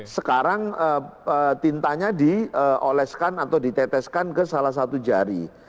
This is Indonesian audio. sekarang tintanya dioleskan atau diteteskan ke salah satu jari